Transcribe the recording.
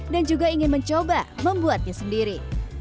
dan juga ingin mencoba membuatnya sendiri